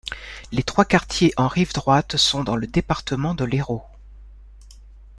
Les trois quartiers en rive droite sont dans le département de l'Hérault.